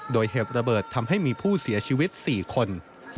โดยเหตุระเบิดทำให้มีผู้เสียชีวิต๔คน